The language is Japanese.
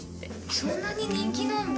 そんなに人気なんだ。